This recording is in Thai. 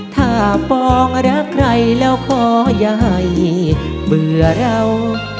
ถ้าป้องรักใครแล้วขอใหญ่เบื่อเรา